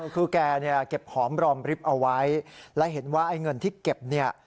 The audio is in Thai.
คือแกเนี่ยเก็บหอมรอมริบเอาไว้และเห็นว่าไอ้เงินที่เก็บเนี่ย